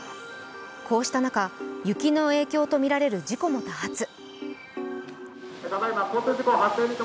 こうした中、雪の影響とみられる事故も多発。